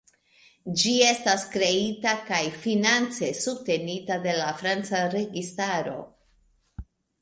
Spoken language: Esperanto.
Ĝi estas kreita kaj finance subtenita de la franca registraro.